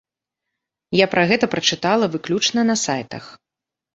Я пра гэта прачытала выключна на сайтах.